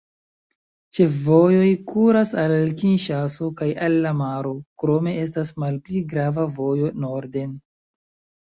Ĉefvojoj kuras al Kinŝaso kaj al la maro, krome estas malpli grava vojo norden.